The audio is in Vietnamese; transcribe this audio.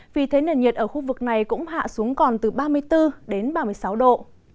vì thế nền nhiệt ở khu vực này cũng hạ xuống còn từ ba mươi bốn đến ba mươi sáu độ